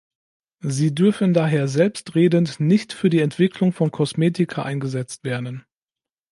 Sie dürfen daher selbstredend nicht für die Entwicklung von Kosmetika eingesetzt werden.